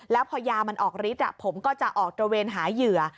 แล้วพอยามันออกฤทธิ์ผมก็จะออกตระเวนหาเหยื่อ